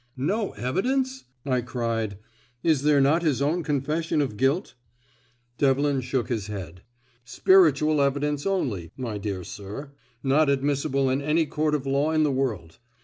"No evidence!" I cried. "Is there not his own confession of guilt?" Devlin shook his head. "Spiritual evidence only, my dear sir. Not admissible in any court of law in the world.